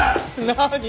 何？